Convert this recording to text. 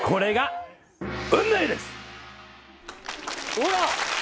ほら！